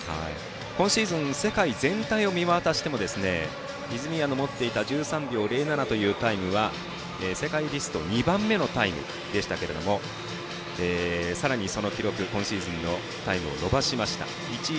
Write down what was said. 今シーズン世界全体を見渡しても泉谷の持っていた１３秒０７というタイムは世界ですと２番目のタイムでしたがさらにその記録、今シーズンのタイムを伸ばしました。